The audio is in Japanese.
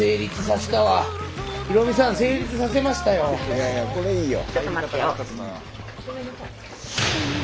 いやいやこれいいよ。